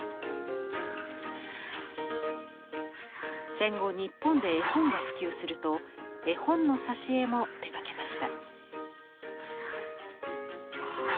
戦後日本で絵本が普及すると絵本の挿絵も手がけました。